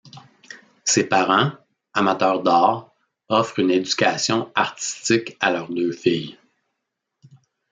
Ses parents, amateurs d'art, offrent une éducation artistique à leurs deux filles.